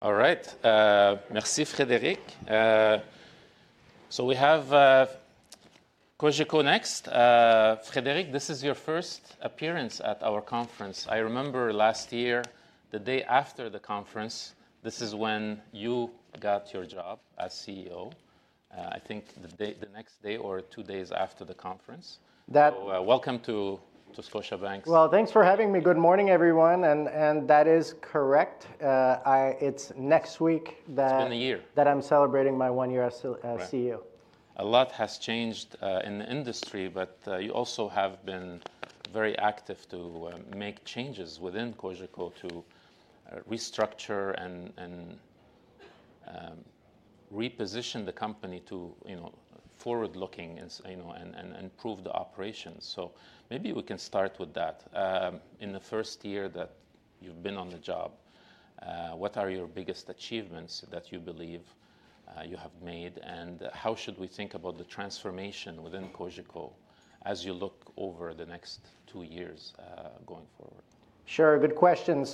All right. Merci, Frédéric. We have Cogeco next. Frédéric, this is your first appearance at our conference. I remember last year, the day after the conference, this is when you got your job as CEO. I think the next day or two days after the conference. Welcome to Scotiabank. Thanks for having me. Good morning, everyone. That is correct. It's next week that. It's been a year. That I'm celebrating my one year as CEO. A lot has changed in the industry, but you also have been very active to make changes within Cogeco to restructure and reposition the company to forward-looking and improve the operations. Maybe we can start with that. In the first year that you've been on the job, what are your biggest achievements that you believe you have made? How should we think about the transformation within Cogeco as you look over the next two years going forward? Sure. Good question.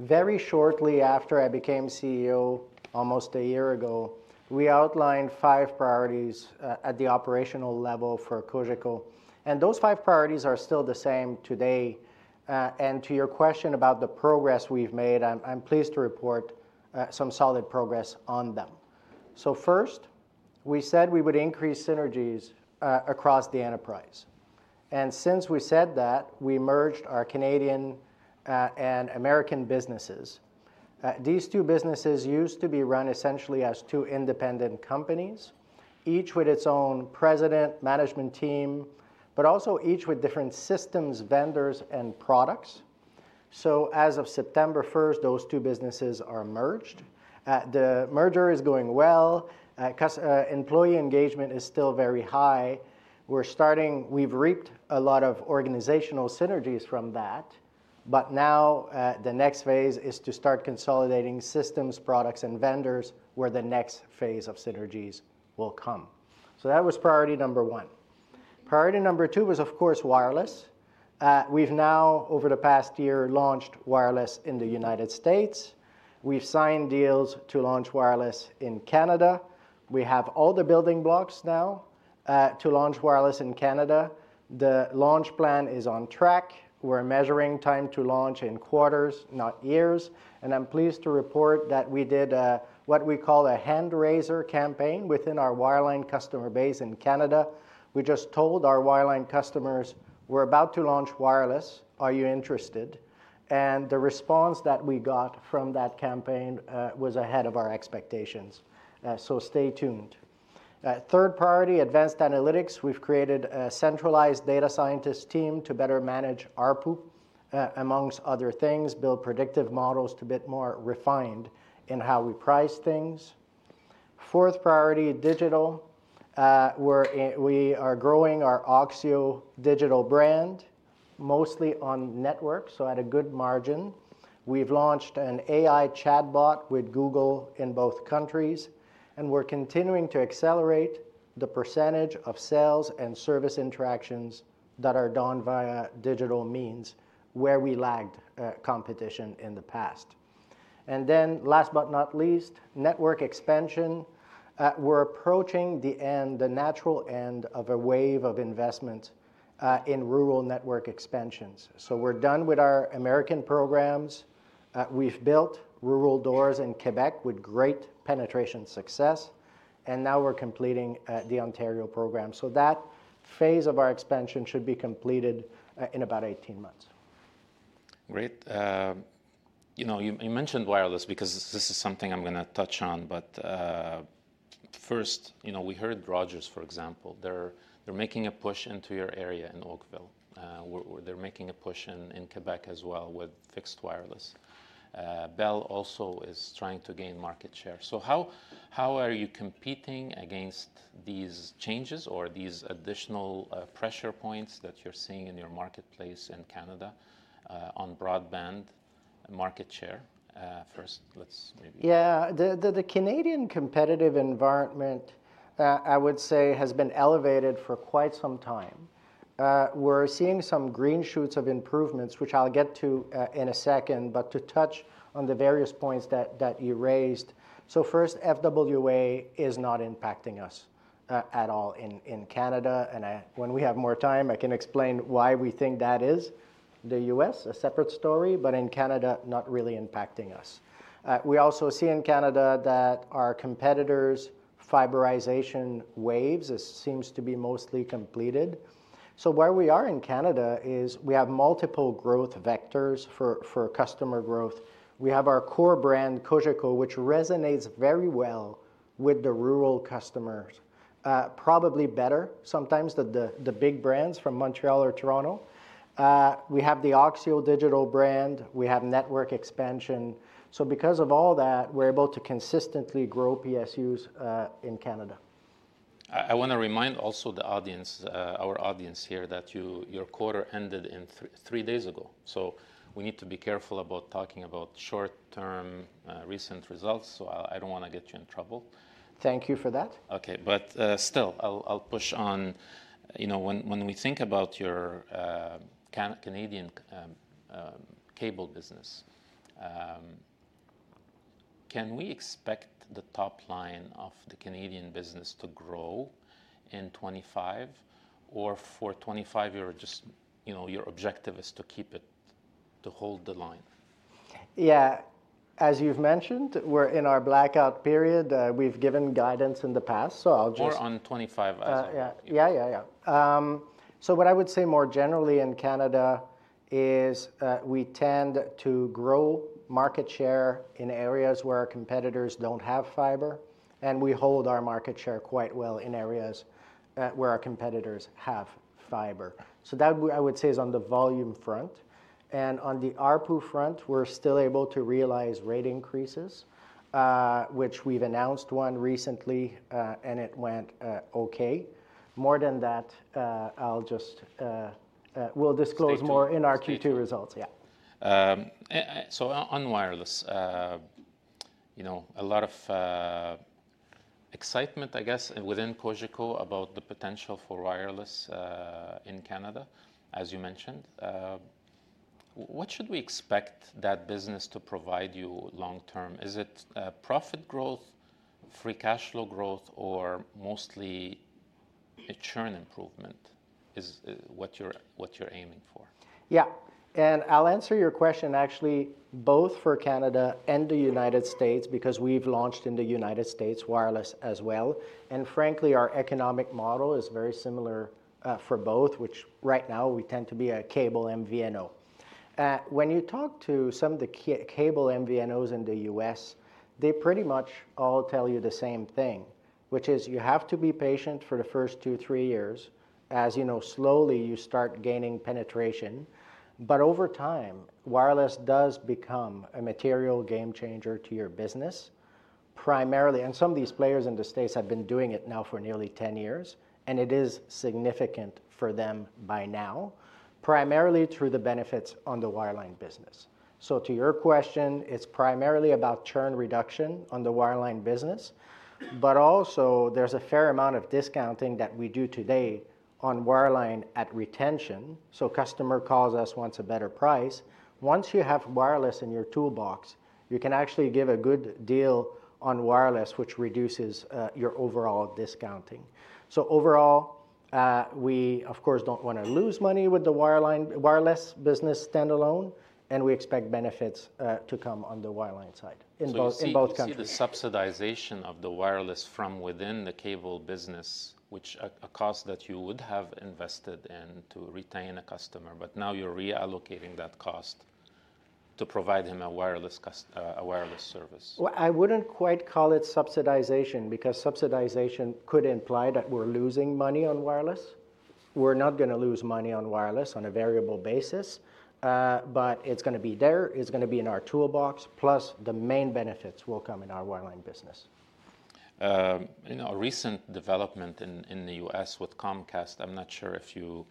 Very shortly after I became CEO, almost a year ago, we outlined five priorities at the operational level for Cogeco. Those five priorities are still the same today. To your question about the progress we have made, I am pleased to report some solid progress on them. First, we said we would increase synergies across the enterprise. Since we said that, we merged our Canadian and American businesses. These two businesses used to be run essentially as two independent companies, each with its own president, management team, but also each with different systems, vendors, and products. As of September 1, those two businesses are merged. The merger is going well. Employee engagement is still very high. We have reaped a lot of organizational synergies from that. Now the next phase is to start consolidating systems, products, and vendors where the next phase of synergies will come. That was priority number one. Priority number two was, of course, wireless. We've now, over the past year, launched wireless in the United States. We've signed deals to launch wireless in Canada. We have all the building blocks now to launch wireless in Canada. The launch plan is on track. We're measuring time to launch in quarters, not years. I'm pleased to report that we did what we call a hand-raiser campaign within our wireline customer base in Canada. We just told our wireline customers, we're about to launch wireless. Are you interested? The response that we got from that campaign was ahead of our expectations. Stay tuned. Third priority, advanced analytics. We've created a centralized data scientist team to better manage ARPU, amongst other things, build predictive models to be more refined in how we price things. Fourth priority, digital. We are growing our Axio digital brand, mostly on network, so at a good margin. We've launched an AI chatbot with Google in both countries. We are continuing to accelerate the percentage of sales and service interactions that are done via digital means, where we lagged competition in the past. Last but not least, network expansion. We are approaching the end, the natural end of a wave of investment in rural network expansions. We are done with our American programs. We've built rural doors in Quebec with great penetration success. We are completing the Ontario program. That phase of our expansion should be completed in about 18 months. Great. You mentioned wireless because this is something I'm going to touch on. First, we heard Rogers, for example. They're making a push into your area in Oakville. They're making a push in Quebec as well with fixed wireless. Bell also is trying to gain market share. How are you competing against these changes or these additional pressure points that you're seeing in your marketplace in Canada on broadband market share? First, let's maybe. Yeah. The Canadian competitive environment, I would say, has been elevated for quite some time. We're seeing some green shoots of improvements, which I'll get to in a second, to touch on the various points that you raised. First, FWA is not impacting us at all in Canada. When we have more time, I can explain why we think that is. The U.S., a separate story, but in Canada, not really impacting us. We also see in Canada that our competitors' fiberization waves seem to be mostly completed. Where we are in Canada is we have multiple growth vectors for customer growth. We have our core brand, Cogeco, which resonates very well with the rural customers, probably better sometimes than the big brands from Montreal or Toronto. We have the Axio digital brand. We have network expansion. Because of all that, we're able to consistently grow PSUs in Canada. I want to remind also the audience, our audience here, that your quarter ended three days ago. We need to be careful about talking about short-term recent results. I do not want to get you in trouble. Thank you for that. OK. Still, I'll push on. When we think about your Canadian cable business, can we expect the top line of the Canadian business to grow in 2025? For 2025, is your objective to keep it, to hold the line? Yeah. As you've mentioned, we're in our blackout period. We've given guidance in the past. I'll just. We're on '25. Yeah, yeah, yeah. What I would say more generally in Canada is we tend to grow market share in areas where our competitors don't have fiber. We hold our market share quite well in areas where our competitors have fiber. That, I would say, is on the volume front. On the ARPU front, we're still able to realize rate increases, which we've announced one recently, and it went OK. More than that, I'll just. We'll disclose more in our Q2 results. Yeah. On wireless, a lot of excitement, I guess, within Cogeco about the potential for wireless in Canada, as you mentioned. What should we expect that business to provide you long term? Is it profit growth, free cash flow growth, or mostly churn improvement is what you're aiming for? Yeah. I'll answer your question, actually, both for Canada and the United States, because we've launched in the United States wireless as well. Frankly, our economic model is very similar for both, which right now we tend to be a cable MVNO. When you talk to some of the cable MVNOs in the U.S., they pretty much all tell you the same thing, which is you have to be patient for the first two, three years, as slowly you start gaining penetration. Over time, wireless does become a material game changer to your business, primarily. Some of these players in the States have been doing it now for nearly 10 years. It is significant for them by now, primarily through the benefits on the wireline business. To your question, it's primarily about churn reduction on the wireline business. There is a fair amount of discounting that we do today on wireline at retention. Customer calls us, wants a better price. Once you have wireless in your toolbox, you can actually give a good deal on wireless, which reduces your overall discounting. Overall, we, of course, do not want to lose money with the wireless business standalone, and we expect benefits to come on the wireline side in both countries. You see the subsidization of the wireless from within the cable business, which a cost that you would have invested in to retain a customer. Now you're reallocating that cost to provide him a wireless service. I wouldn't quite call it subsidization, because subsidization could imply that we're losing money on wireless. We're not going to lose money on wireless on a variable basis. It is going to be there. It is going to be in our toolbox. Plus, the main benefits will come in our wireline business. A recent development in the U.S. with Comcast, I'm not sure if you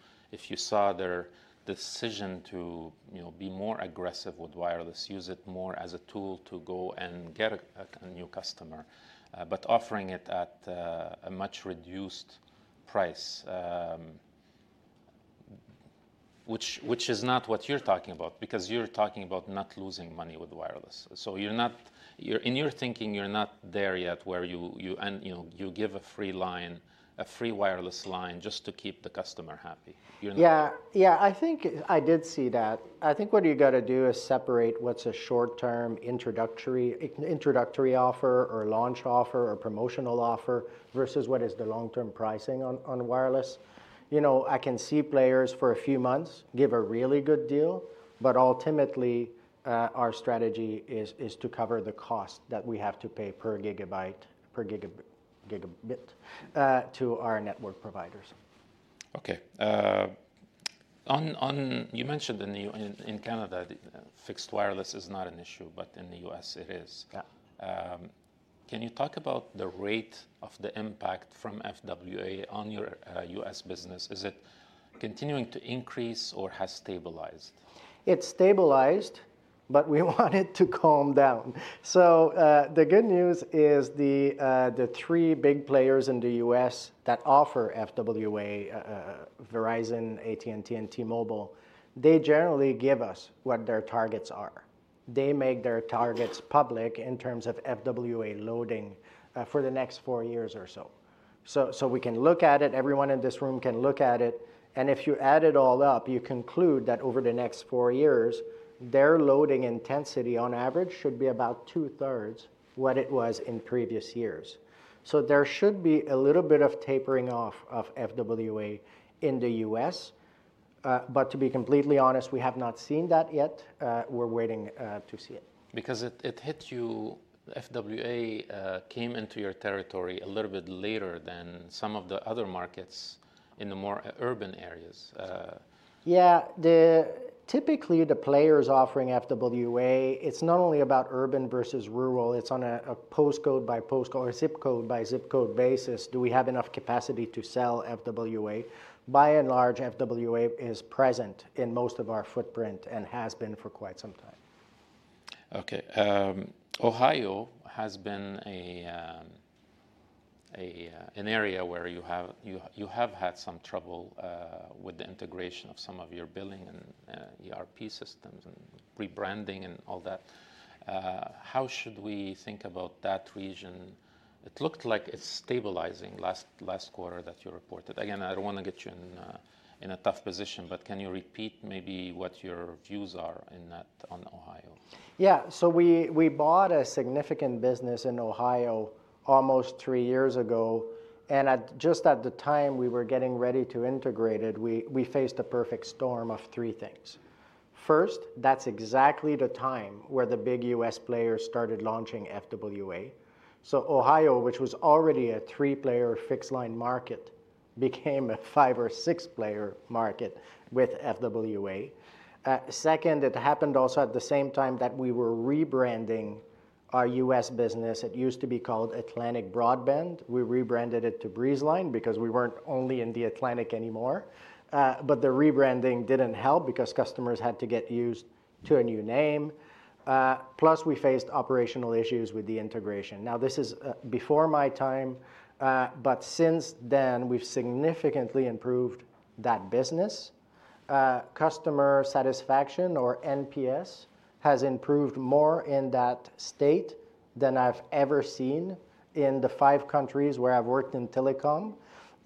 saw their decision to be more aggressive with wireless, use it more as a tool to go and get a new customer, but offering it at a much reduced price, which is not what you're talking about, because you're talking about not losing money with wireless. In your thinking, you're not there yet, where you give a free line, a free wireless line just to keep the customer happy. Yeah, yeah. I think I did see that. I think what you've got to do is separate what's a short-term introductory offer or launch offer or promotional offer versus what is the long-term pricing on wireless. I can see players for a few months give a really good deal. Ultimately, our strategy is to cover the cost that we have to pay per gigabyte, per gigabit to our network providers. OK. You mentioned in Canada, fixed wireless is not an issue, but in the U.S., it is. Can you talk about the rate of the impact from FWA on your U.S. business? Is it continuing to increase or has it stabilized? It's stabilized, but we want it to calm down. The good news is the three big players in the U.S. that offer FWA, Verizon, AT&T, and T-Mobile, they generally give us what their targets are. They make their targets public in terms of FWA loading for the next four years or so. We can look at it. Everyone in this room can look at it. If you add it all up, you conclude that over the next four years, their loading intensity on average should be about 2/3 what it was in previous years. There should be a little bit of tapering off of FWA in the U.S. To be completely honest, we have not seen that yet. We're waiting to see it. Because it hit you, FWA came into your territory a little bit later than some of the other markets in the more urban areas. Yeah. Typically, the players offering FWA, it's not only about urban versus rural. It's on a postcode by postcode or zip code by zip code basis. Do we have enough capacity to sell FWA? By and large, FWA is present in most of our footprint and has been for quite some time. OK. Ohio has been an area where you have had some trouble with the integration of some of your billing and ERP systems and rebranding and all that. How should we think about that region? It looked like it's stabilizing last quarter that you reported. Again, I don't want to get you in a tough position, but can you repeat maybe what your views are on Ohio? Yeah. We bought a significant business in Ohio almost three years ago. Just at the time we were getting ready to integrate it, we faced a perfect storm of three things. First, that's exactly the time where the big U.S. players started launching FWA. Ohio, which was already a three-player fixed line market, became a five or six-player market with FWA. Second, it happened also at the same time that we were rebranding our U.S. business. It used to be called Atlantic Broadband. We rebranded it to Breezeline because we were not only in the Atlantic anymore. The rebranding did not help because customers had to get used to a new name. Plus, we faced operational issues with the integration. This is before my time. Since then, we have significantly improved that business. Customer satisfaction, or NPS, has improved more in that state than I've ever seen in the five countries where I've worked in telecom.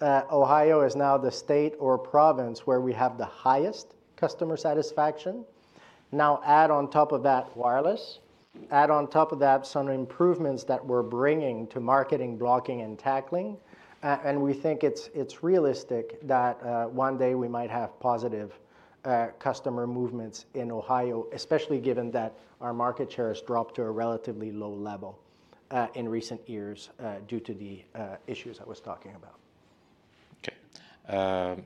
Ohio is now the state or province where we have the highest customer satisfaction. Add on top of that wireless, add on top of that some improvements that we're bringing to marketing, blocking, and tackling. We think it's realistic that one day we might have positive customer movements in Ohio, especially given that our market share has dropped to a relatively low level in recent years due to the issues I was talking about. OK.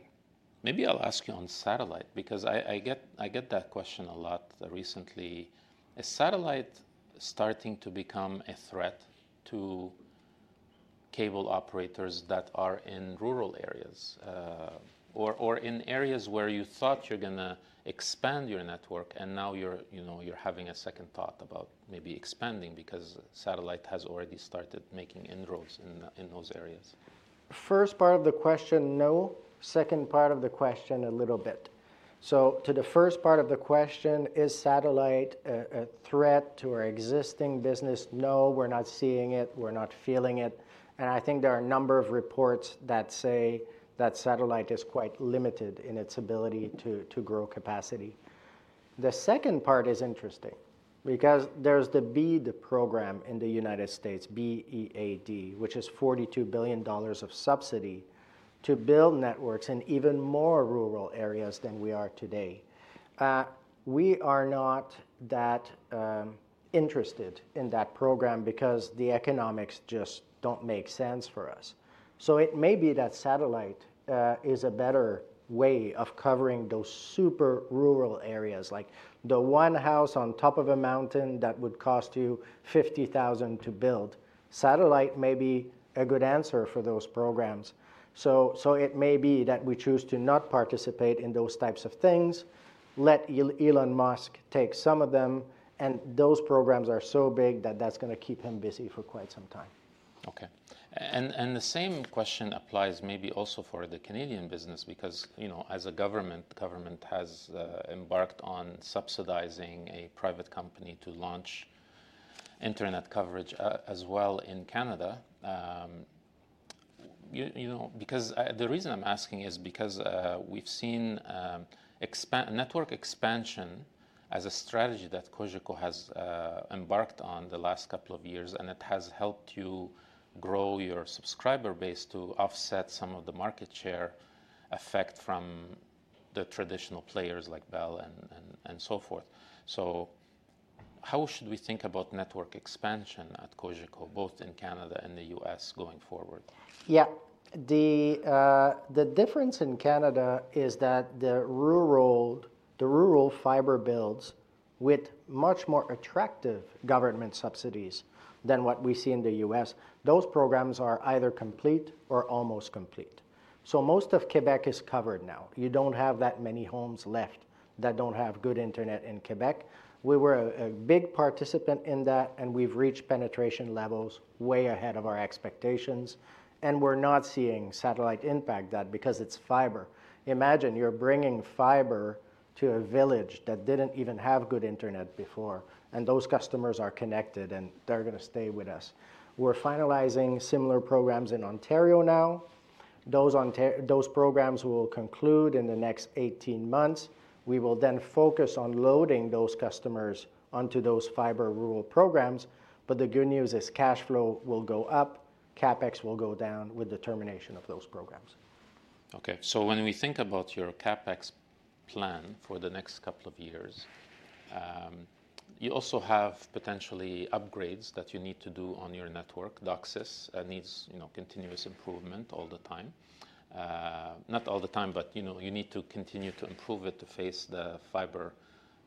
Maybe I'll ask you on satellite, because I get that question a lot recently. Is satellite starting to become a threat to cable operators that are in rural areas or in areas where you thought you're going to expand your network, and now you're having a second thought about maybe expanding because satellite has already started making inroads in those areas? First part of the question, no. Second part of the question, a little bit. To the first part of the question, is satellite a threat to our existing business? No, we're not seeing it. We're not feeling it. I think there are a number of reports that say that satellite is quite limited in its ability to grow capacity. The second part is interesting because there's the BEAD program in the United States, B-E-A-D, which is $42 billion of subsidy to build networks in even more rural areas than we are today. We are not that interested in that program because the economics just don't make sense for us. It may be that satellite is a better way of covering those super rural areas, like the one house on top of a mountain that would cost you $50,000 to build. Satellite may be a good answer for those programs. It may be that we choose to not participate in those types of things, let Elon Musk take some of them. Those programs are so big that that's going to keep him busy for quite some time. OK. The same question applies maybe also for the Canadian business, because as a government, the government has embarked on subsidizing a private company to launch Internet coverage as well in Canada. The reason I'm asking is because we've seen network expansion as a strategy that Cogeco has embarked on the last couple of years. It has helped you grow your subscriber base to offset some of the market share effect from the traditional players like Bell and so forth. How should we think about network expansion at Cogeco, both in Canada and the U.S. going forward? Yeah. The difference in Canada is that the rural fiber builds with much more attractive government subsidies than what we see in the U.S. Those programs are either complete or almost complete. Most of Quebec is covered now. You do not have that many homes left that do not have good Internet in Quebec. We were a big participant in that. We have reached penetration levels way ahead of our expectations. We are not seeing satellite impact that because it is fiber. Imagine you are bringing fiber to a village that did not even have good Internet before. Those customers are connected. They are going to stay with us. We are finalizing similar programs in Ontario now. Those programs will conclude in the next 18 months. We will then focus on loading those customers onto those fiber rural programs. The good news is cash flow will go up. CapEx will go down with the termination of those programs. OK. When we think about your CapEx plan for the next couple of years, you also have potentially upgrades that you need to do on your network. DOCSIS needs continuous improvement all the time. Not all the time, but you need to continue to improve it to face the fiber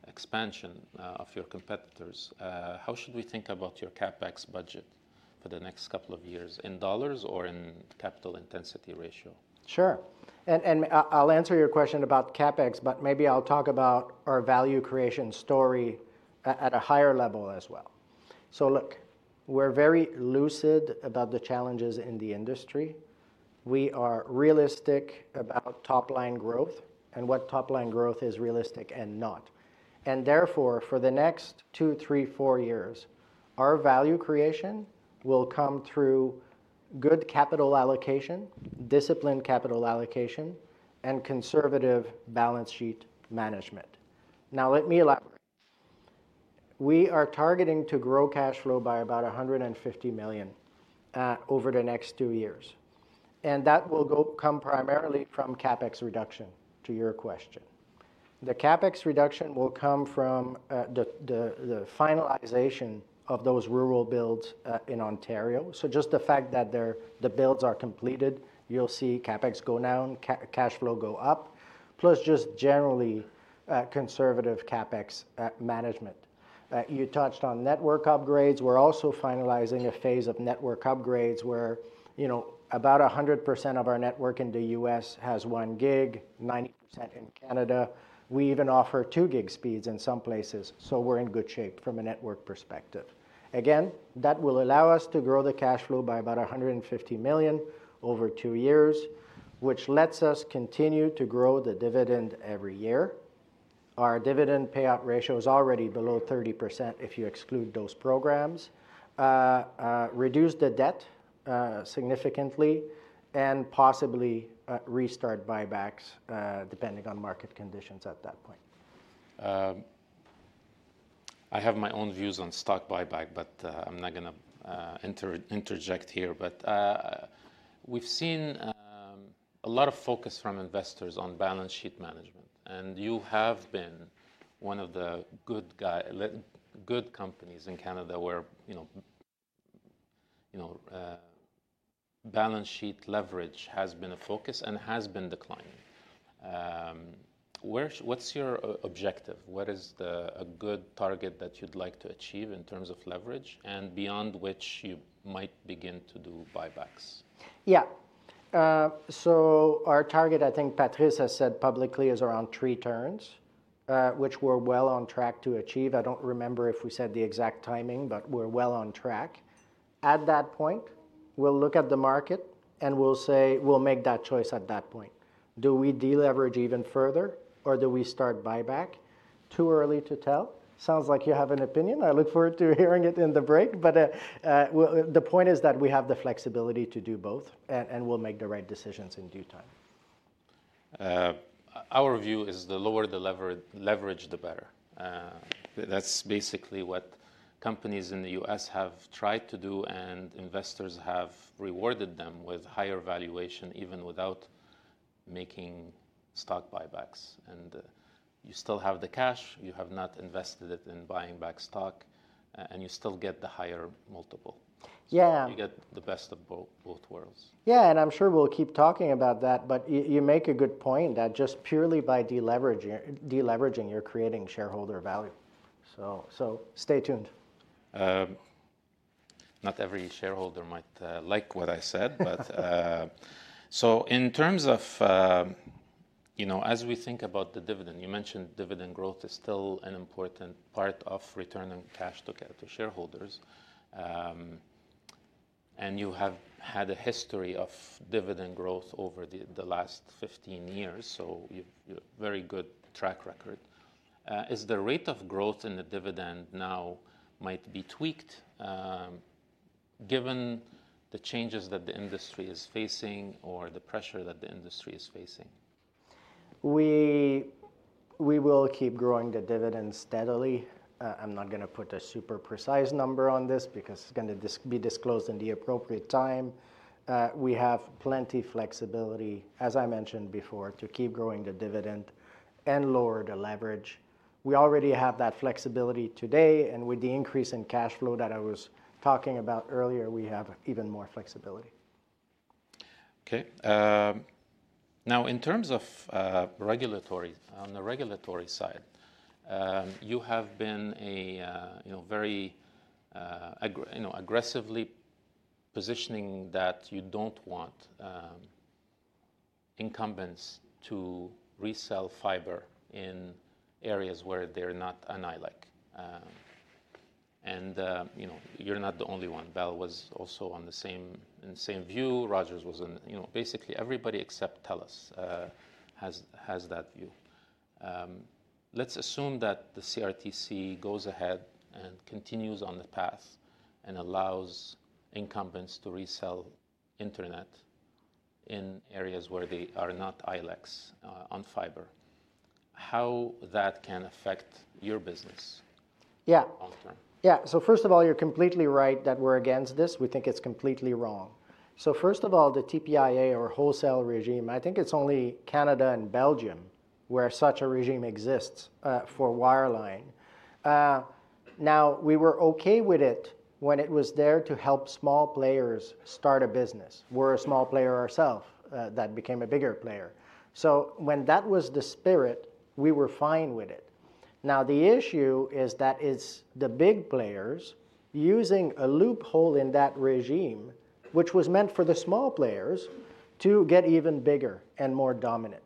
expansion of your competitors. How should we think about your CapEx budget for the next couple of years in dollars or in capital intensity ratio? Sure. I'll answer your question about CapEx, but maybe I'll talk about our value creation story at a higher level as well. Look, we're very lucid about the challenges in the industry. We are realistic about top-line growth and what top-line growth is realistic and not. Therefore, for the next two, three, four years, our value creation will come through good capital allocation, disciplined capital allocation, and conservative balance sheet management. Now, let me elaborate. We are targeting to grow cash flow by about $150 million over the next two years. That will come primarily from CapEx reduction, to your question. The CapEx reduction will come from the finalization of those rural builds in Ontario. Just the fact that the builds are completed, you'll see CapEx go down, cash flow go up, plus just generally conservative CapEx management. You touched on network upgrades. We're also finalizing a phase of network upgrades where about 100% of our network in the U.S. has 1 gig, 90% in Canada. We even offer 2 gig speeds in some places. We are in good shape from a network perspective. Again, that will allow us to grow the cash flow by about $150 million over two years, which lets us continue to grow the dividend every year. Our dividend payout ratio is already below 30% if you exclude those programs, reduce the debt significantly, and possibly restart buybacks depending on market conditions at that point. I have my own views on stock buyback, but I'm not going to interject here. We've seen a lot of focus from investors on balance sheet management. You have been one of the good companies in Canada where balance sheet leverage has been a focus and has been declining. What's your objective? What is a good target that you'd like to achieve in terms of leverage and beyond which you might begin to do buybacks? Yeah. Our target, I think Patrice has said publicly, is around three turns, which we're well on track to achieve. I don't remember if we said the exact timing, but we're well on track. At that point, we'll look at the market. We'll make that choice at that point. Do we deleverage even further, or do we start buyback? Too early to tell. Sounds like you have an opinion. I look forward to hearing it in the break. The point is that we have the flexibility to do both. We'll make the right decisions in due time. Our view is the lower the leverage, the better. That's basically what companies in the U.S. have tried to do. Investors have rewarded them with higher valuation even without making stock buybacks. You still have the cash. You have not invested it in buying back stock. You still get the higher multiple. Yeah. You get the best of both worlds. Yeah. I am sure we will keep talking about that. You make a good point that just purely by deleveraging, you are creating shareholder value. Stay tuned. Not every shareholder might like what I said. In terms of as we think about the dividend, you mentioned dividend growth is still an important part of returning cash to shareholders. You have had a history of dividend growth over the last 15 years. You have a very good track record. Is the rate of growth in the dividend now might be tweaked given the changes that the industry is facing or the pressure that the industry is facing? We will keep growing the dividend steadily. I'm not going to put a super precise number on this because it's going to be disclosed in the appropriate time. We have plenty of flexibility, as I mentioned before, to keep growing the dividend and lower the leverage. We already have that flexibility today. With the increase in cash flow that I was talking about earlier, we have even more flexibility. OK. Now, in terms of regulatory, on the regulatory side, you have been very aggressively positioning that you don't want incumbents to resell fiber in areas where they're not ILEC. And you're not the only one. Bell was also in the same view. Rogers was in basically everybody except TELUS has that view. Let's assume that the CRTC goes ahead and continues on the path and allows incumbents to resell Internet in areas where they are not ILECs on fiber, how that can affect your business long term. Yeah. Yeah. First of all, you're completely right that we're against this. We think it's completely wrong. First of all, the TPIA, or wholesale regime, I think it's only Canada and Belgium where such a regime exists for wireline. We were OK with it when it was there to help small players start a business. We're a small player ourselves that became a bigger player. When that was the spirit, we were fine with it. Now, the issue is that it's the big players using a loophole in that regime, which was meant for the small players to get even bigger and more dominant.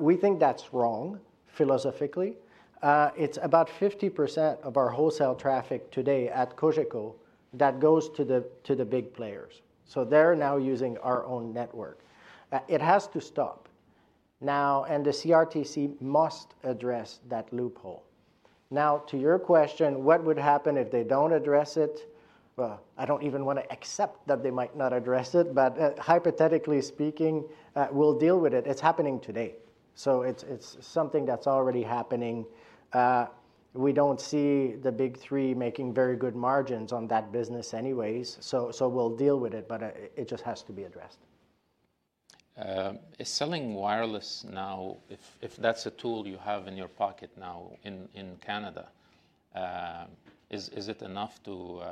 We think that's wrong philosophically. It's about 50% of our wholesale traffic today at Cogeco that goes to the big players. They're now using our own network. It has to stop now. The CRTC must address that loophole. Now, to your question, what would happen if they don't address it? I do not even want to accept that they might not address it. Hypothetically speaking, we will deal with it. It is happening today. It is something that is already happening. We do not see the big three making very good margins on that business anyways. We will deal with it. It just has to be addressed. Is selling wireless now, if that's a tool you have in your pocket now in Canada, is it enough to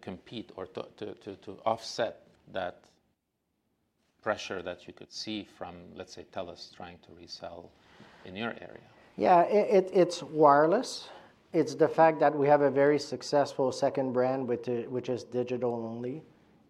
compete or to offset that pressure that you could see from, let's say, TELUS trying to resell in your area? Yeah. It's wireless. It's the fact that we have a very successful second brand, which is digital only.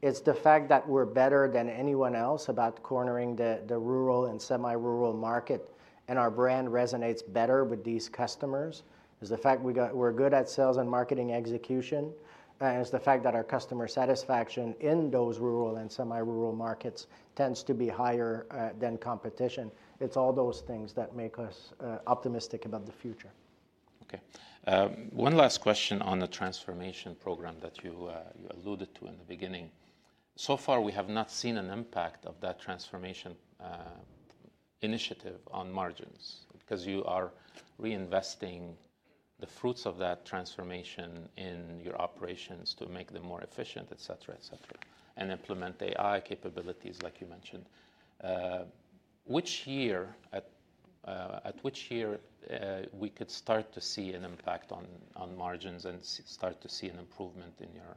It's the fact that we're better than anyone else about cornering the rural and semi-rural market. Our brand resonates better with these customers. It's the fact we're good at sales and marketing execution. It's the fact that our customer satisfaction in those rural and semi-rural markets tends to be higher than competition. It's all those things that make us optimistic about the future. OK. One last question on the transformation program that you alluded to in the beginning. So far, we have not seen an impact of that transformation initiative on margins because you are reinvesting the fruits of that transformation in your operations to make them more efficient, et cetera, et cetera, and implement AI capabilities, like you mentioned. At which year we could start to see an impact on margins and start to see an improvement in your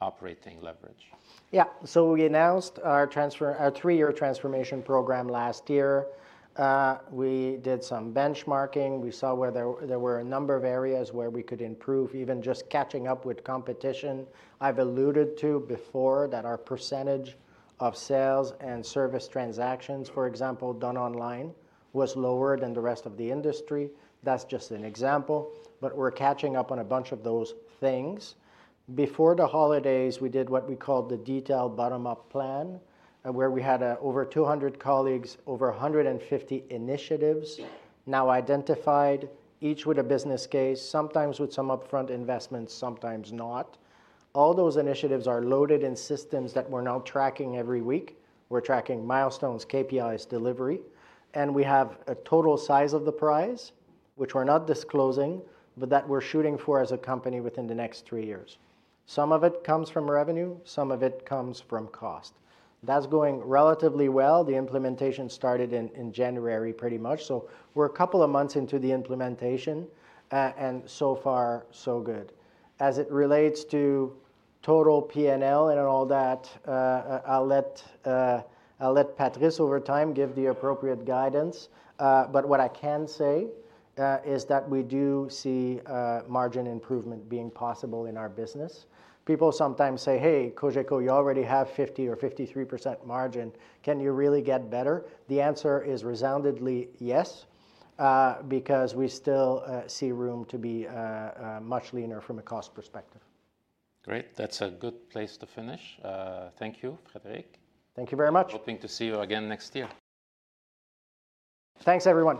operating leverage? Yeah. We announced our three-year transformation program last year. We did some benchmarking. We saw where there were a number of areas where we could improve, even just catching up with competition. I've alluded to before that our percentage of sales and service transactions, for example, done online was lower than the rest of the industry. That's just an example. We're catching up on a bunch of those things. Before the holidays, we did what we called the detailed bottom-up plan, where we had over 200 colleagues, over 150 initiatives now identified, each with a business case, sometimes with some upfront investments, sometimes not. All those initiatives are loaded in systems that we're now tracking every week. We're tracking milestones, KPIs, delivery. We have a total size of the prize, which we're not disclosing, but that we're shooting for as a company within the next three years. Some of it comes from revenue. Some of it comes from cost. That is going relatively well. The implementation started in January, pretty much. We are a couple of months into the implementation. So far, so good. As it relates to total P&L and all that, I will let Patrice over time give the appropriate guidance. What I can say is that we do see margin improvement being possible in our business. People sometimes say, hey, Cogeco, you already have 50% or 53% margin. Can you really get better? The answer is resoundingly yes because we still see room to be much leaner from a cost perspective. Great. That's a good place to finish. Thank you, Frédéric. Thank you very much. Hoping to see you again next year. Thanks, everyone.